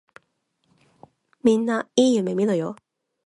みんないい夢みろよ。